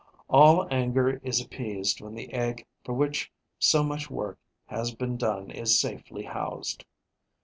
All anger is appeased when the egg for which so much work has been done is safely housed.